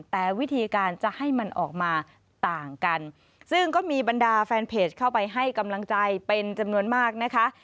แต่วิธีการจะให้มันออกมาต่างกันซึ่งก็มีบรรดาแฟนเพจเข้าไปให้กำลังใจเป็นจำนวนมากนะคะ